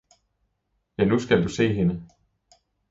- ja nu skal du se hende!